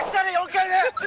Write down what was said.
４回目！